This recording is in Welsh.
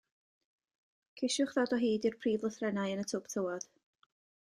Ceisiwch ddod o hyd i'r prif lythrennau yn y twb tywod.